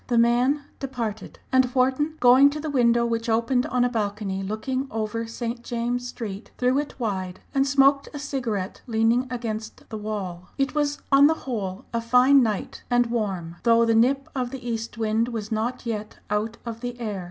The man departed, and Wharton, going to the window which opened on a balcony looking over St. James Street, threw it wide, and smoked a cigarette leaning against the wall. It was on the whole a fine night and warm, though the nip of the east wind was not yet out of the air.